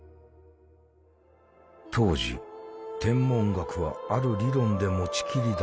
当時天文学はある理論で持ちきりだった。